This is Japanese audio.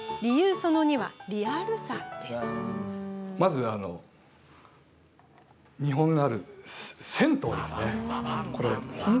その２まず日本のある銭湯ですね。